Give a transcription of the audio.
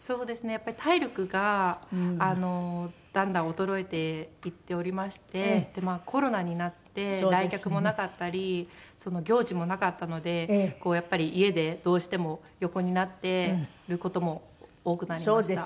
やっぱり体力がだんだん衰えていっておりましてコロナになって来客もなかったり行事もなかったのでこうやっぱり家でどうしても横になってる事も多くなりました。